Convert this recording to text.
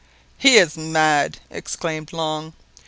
"He is mad!" exclaimed Long.